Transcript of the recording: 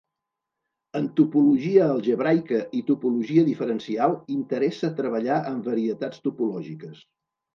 En topologia algebraica i topologia diferencial interessa treballar amb varietats topològiques.